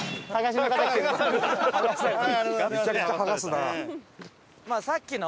めちゃくちゃ剥がすなあ。